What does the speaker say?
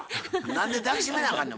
何で抱き締めなあかんねん。